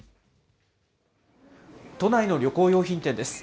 都内の旅行用品店です。